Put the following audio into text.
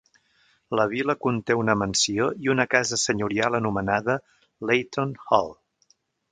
La vil·la conté una mansió i una casa senyorial anomenada Leighton Hall.